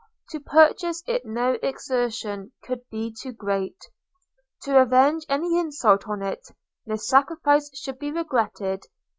To purchase it no exertion could be too great – to revenge any insult on it, no sacrifice should be regretted.